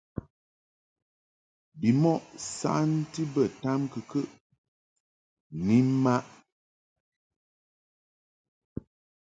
Bimɔʼ nsanti bə tamkɨkəʼ ni mmaʼ.